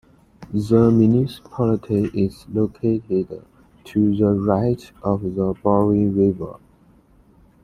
The municipality is located to the right of the Broye river.